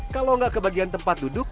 kalau nggak ke bagian tempat duduk